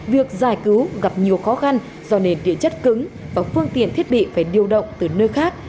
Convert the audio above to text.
việc giải cứu gặp nhiều khó khăn do nền địa chất cứng và phương tiện thiết bị phải điều động từ nơi khác